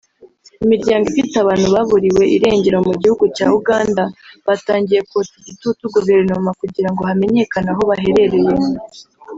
Imiryango ifite abantu baburiwe irengero mu gihugu cya Uganda batangiye kotsa igitutu guverinoma kugira ngo hamenyekane aho baherereye